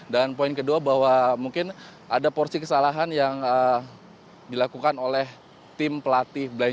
dan poin kedua bahwa mungkin ada porsi kesalahan yang dilakukan oleh tim pelatih blind judo indonesia karena ini sebenarnya sudah dibahas pada saat